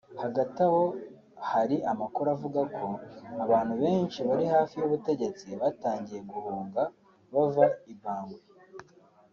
Hagati aho hari amakuru avuga ko abantu benshi bari hafi y’ubutegetsi batangiye guhunga bava i Bangui